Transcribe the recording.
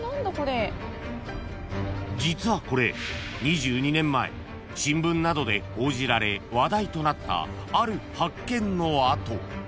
［実はこれ２２年前新聞などで報じられ話題となったある発見の跡］